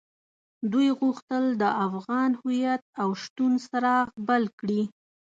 دوی غوښتل د افغان هويت او شتون څراغ بل کړي.